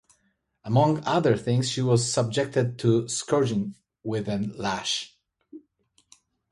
Among other things, she was subjected to scourging with a lash.